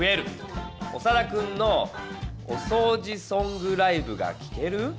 オサダくんの『おそうじソングライブ』が聴ける」？